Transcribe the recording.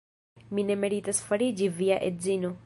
Mi ne meritas fariĝi via edzino.